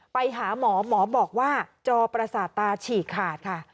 ไปหาหมอหมอบอกว่าจอประสาทตาฉีกขาดค่ะ